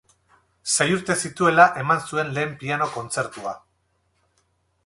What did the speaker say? Sei urte zituela eman zuen lehen piano-kontzertua.